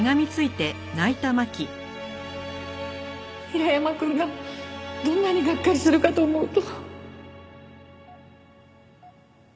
平山くんがどんなにがっかりするかと思うと。